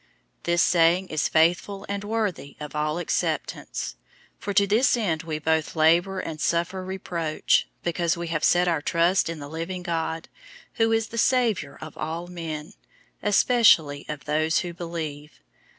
004:009 This saying is faithful and worthy of all acceptance. 004:010 For to this end we both labor and suffer reproach, because we have set our trust in the living God, who is the Savior of all men, especially of those who believe.